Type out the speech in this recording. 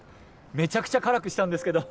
めちゃくちゃ辛くしたんですけど。